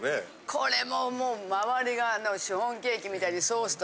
これもう周りがシフォンケーキみたいでソースと。